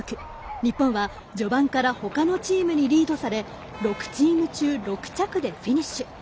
日本は序盤からほかのチームにリードされ６チーム中６着でフィニッシュ。